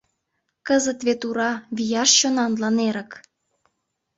Кызыт вет ура, вияш чонанлан эрык!